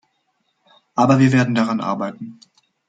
Aber wir werden daran arbeiten.